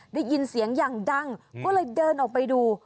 ได้ยินเสียงอย่างดังก็เลยเดินออกไปดู